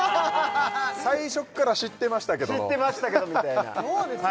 最初から知ってましたけど知ってましたけどみたいなどうです？